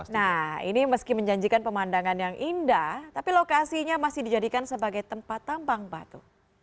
nah ini meski menjanjikan pemandangan yang indah tapi lokasinya masih dijadikan sebagai tempat tambang batu